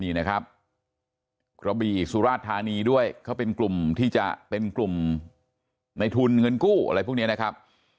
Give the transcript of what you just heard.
นี่นะครับกระบี่สุราชธานีด้วยเขาเป็นกลุ่มที่จะเป็นกลุ่มในทุนเงินกู้อะไรพวกนี้นะครับ